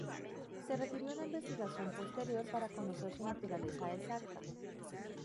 Se requirió una investigación posterior para conocer su naturaleza exacta.